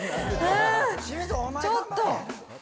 ちょっと！